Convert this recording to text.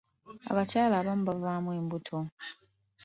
Abakyala abamu bavaamu embuto.